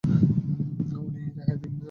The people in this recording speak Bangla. আমাকে রেহাই দিন, স্যার।